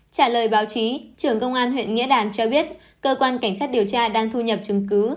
trả lời báo chí trưởng công an huyện nghĩa đàn cho biết cơ quan cảnh sát điều tra đang thu nhập chứng cứ